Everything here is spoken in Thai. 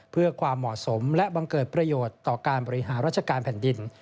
เพื่อความเหมาะสมและบังเกิดประโยชน์ต่อการบริหารราชการแผ่นดิน